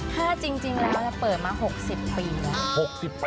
ถ้าจริงแล้วเปิดมา๖๐ปีแล้ว